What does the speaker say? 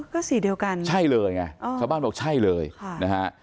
ก็สีเดียวกันใช่เลยไงชาวบ้านบอกใช่เลยค่ะนะฮะ